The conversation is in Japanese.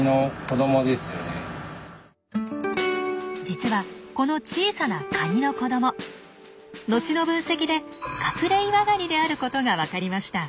実はこの小さなカニの子どものちの分析でカクレイワガニであることがわかりました。